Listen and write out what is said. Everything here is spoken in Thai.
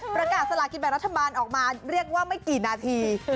สลากินแบบรัฐบาลออกมาเรียกว่าไม่กี่นาที